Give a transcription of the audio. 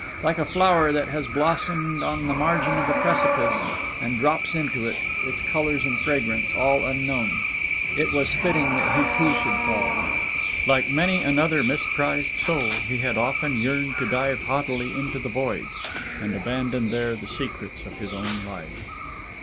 Like a flower that has blossomed on the margin of a precipice, and drops into it, its colors and fragrance all unknown, it was fitting that he too should fall. Like many another misprized soul, he had often yearned to dive haughtily into the void, and abandon there the secrets of his own life.